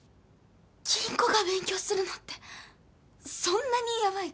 吟子が勉強するのってそんなにヤバいかな。